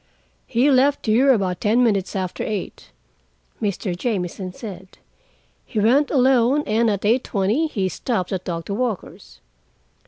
"He left here about ten minutes after eight," Mr. Jamieson said. "He went alone, and at eight twenty he stopped at Doctor Walker's.